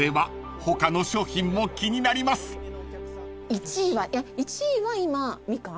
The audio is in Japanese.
１位は１位は今みかん？